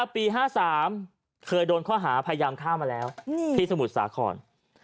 ปี๕๓เคยโดนข้อหาพยายามฆ่ามาแล้วที่สมุทรสาคร